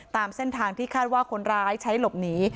ตามเส้นทางที่คาดว่าคนร้ายใช้หลบหนี